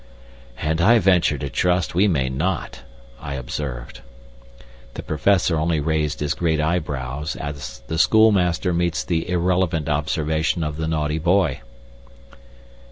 "And I venture to trust we may not," I observed. The Professor only raised his great eyebrows, as the schoolmaster meets the irrelevant observation of the naughty boy.